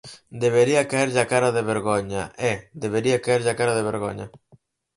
Debería caerlle a cara de vergoña, ¡eh!, debería caerlle a cara de vergoña.